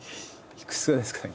いくつぐらいですかね。